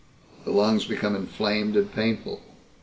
The lungs become inflamed and painful.